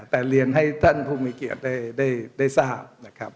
แต่เรียนให้ท่านผู้มีเกียรติได้ทราบนะครับ